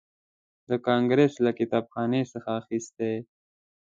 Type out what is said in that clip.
د کانګریس له کتابخانې څخه اخیستی.